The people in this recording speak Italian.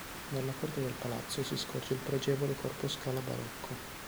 Dalla corte del Palazzo si scorge il pregevole corpo scala barocco.